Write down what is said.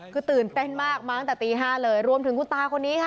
คือตื่นเต้นมากมาตั้งแต่ตี๕เลยรวมถึงคุณตาคนนี้ค่ะ